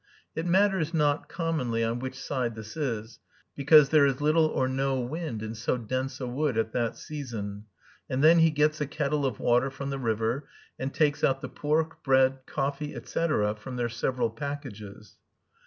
It matters not, commonly, on which side this is, because there is little or no wind in so dense a wood at that season; and then he gets a kettle of water from the river, and takes out the pork, bread, coffee, etc., from their several packages.